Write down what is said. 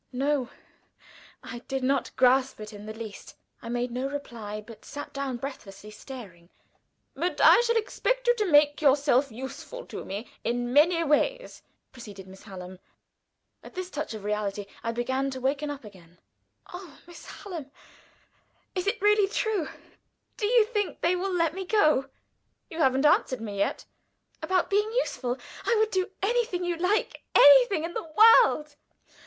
No, I did not grasp it in the least. I made no reply, but sat breathlessly staring. "But I shall expect you to make yourself useful to me in many ways," proceeded Miss Hallam. At this touch of reality I began to waken up again. "Oh, Miss Hallam, is it really true? Do you think they will let me go?" "You haven't answered me yet." "About being useful? I would do anything you like anything in the world."